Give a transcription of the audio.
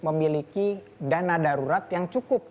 memiliki dana darurat yang cukup